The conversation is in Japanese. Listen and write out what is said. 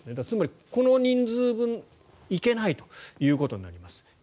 つまりこの人数分行けないということになります。